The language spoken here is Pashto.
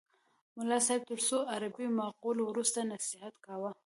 ملا صاحب تر څو عربي مقولو وروسته نصیحت کاوه.